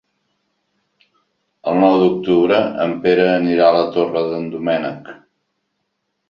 El nou d'octubre en Pere anirà a la Torre d'en Doménec.